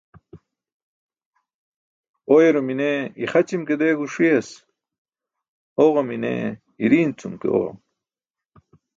Oyarum i̇ne ixaćim ke deegus ṣi̇yas, oġam i̇ne i̇ri̇i̇n cum ke oġam.